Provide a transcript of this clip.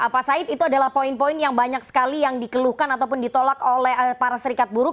pak said itu adalah poin poin yang banyak sekali yang dikeluhkan ataupun ditolak oleh para serikat buruh